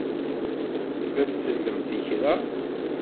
La tsellemt i kra?